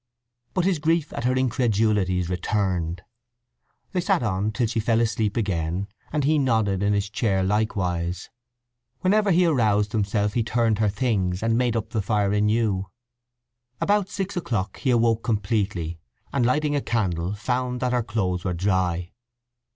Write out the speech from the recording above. But his grief at her incredulities returned. They sat on till she fell asleep again, and he nodded in his chair likewise. Whenever he aroused himself he turned her things, and made up the fire anew. About six o'clock he awoke completely, and lighting a candle, found that her clothes were dry.